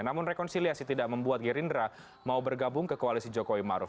namun rekonsiliasi tidak membuat gerindra mau bergabung ke koalisi jokowi maruf